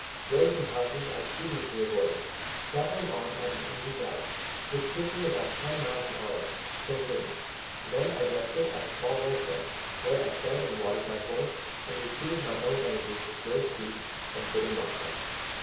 Roads and houses I studiously avoided, travelling on at an easy gallop, which took me about ten miles an hour, till noon; then I rested at a small rancho, where I fed and watered my horse and recruited my own energies with roast beef and bitter maté.